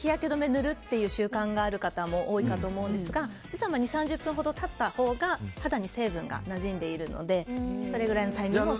塗る習慣がある方も多いかと思いますが実は２０３０分ほど経ったほうが肌に成分が馴染んでいるのでそれぐらいのタイミングで。